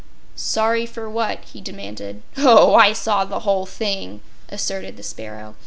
"Sorry for what?" he demanded. "Oh, I saw the whole thing," asserted the sparrow.